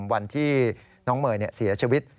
วันที่น้องเมย์เสียชีวิต